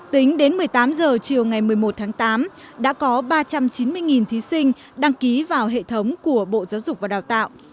tính đến một mươi tám h chiều ngày một mươi một tháng tám đã có ba trăm chín mươi thí sinh đăng ký vào hệ thống của bộ giáo dục và đào tạo